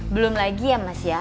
belum lagi ya mas ya